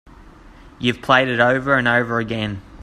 You've played it over and over again.